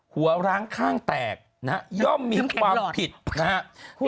หัวร้างข้างแตกย่อมมีความผิดนะฮะ